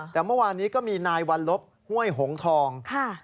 แต่เมื่อวานนี้ก็มีนายวัลลบห้วยหงทอง